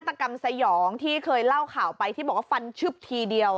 ตกรรมสยองที่เคยเล่าข่าวไปที่บอกว่าฟันชึบทีเดียว